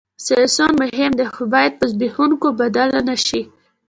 سیاسیون مهم دي خو باید په زبېښونکو بدل نه شي